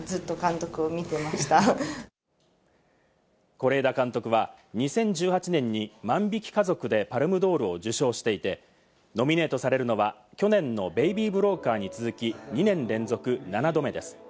是枝監督は２０１８年に『万引き家族』でパルムドールを受賞していて、ノミネートされるのは去年の『ベイビー・ブローカー』に続き、２年連続７度目です。